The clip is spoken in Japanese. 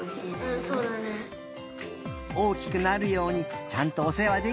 大きくなるようにちゃんとおせわできたねえ。